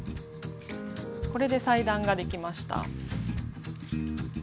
これで裁断ができました。